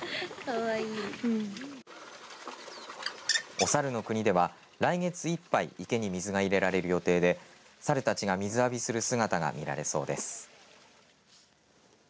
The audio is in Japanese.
お猿の国では来月いっぱい池に水が入れられる予定で猿たちが水浴びする姿が見られそうです。